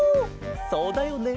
そうだよね